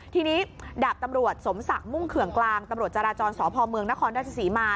ทีนี้ดาบตำรวจสมศักดิ์มุ่งเขื่องกลางตำรวจจราจรสพเมืองนครราชศรีมา